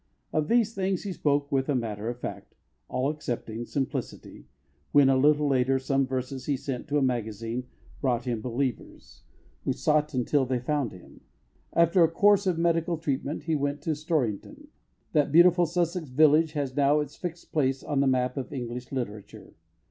Of these things he spoke with a matter of fact, all accepting, simplicity when, a little later, some verses he sent to a magazine brought him believers, who sought until they found him. After a course of medical treatment, he went to Storrington. That beautiful Sussex village has now its fixed place on the map of English literature.